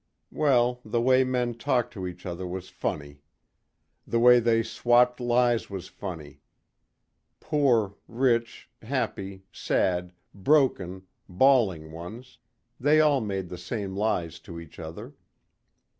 Well, the way men talked to each other was funny. The way they swapped lies was funny. Poor, rich, happy, sad, broken, bawling ones they all made the same lies to each other.